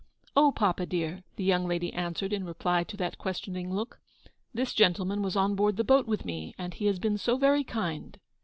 " Oh, papa, dear," the young lady answered, in reply to that questioning look, "this gentleman was on board the boat with me, and he has been so very kind."